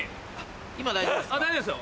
今大丈夫ですか？